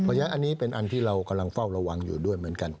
เพราะฉะนั้นอันนี้เป็นอันที่เรากำลังเฝ้าระวังอยู่ด้วยเหมือนกัน